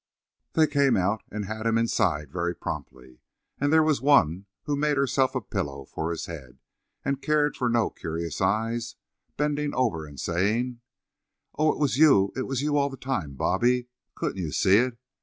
They came out and had him inside very promptly. And there was one who made herself a pillow for his head, and cared for no curious eyes, bending over and saying, "Oh, it was you; it was you all the time, Bobby! Couldn't you see it?